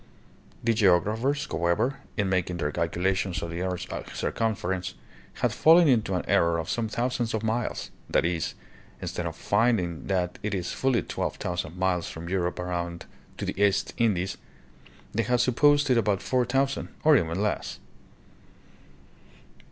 The geographers, however, in mak ing their calculations of the earth's circumference, had fallen into an error of some thousands of miles; that is, instead of finding that it is fully twelve thousand miles from Europe around to the East Indies, they had sup posed it about four thousand, or even less.